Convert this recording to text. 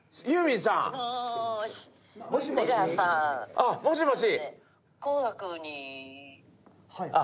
あっもしもし。